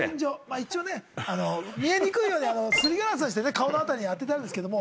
一応ね見えにくいようにすりガラス顔の辺りにあててあるんですけども。